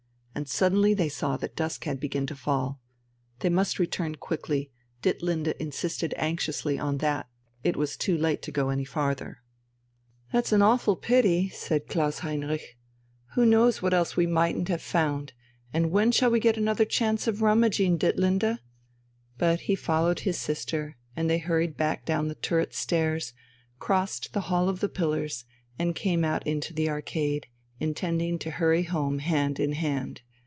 And suddenly they saw that dusk had begun to fall. They must return quickly, Ditlinde insisted anxiously on that; it was too late to go any farther. "That's an awful pity," said Klaus Heinrich. "Who knows what else we mightn't have found, and when we shall get another chance of rummaging, Ditlinde!" But he followed his sister and they hurried back down the turret stairs, crossed the hall of the pillars, and came out into the arcade, intending to hurry home hand in hand.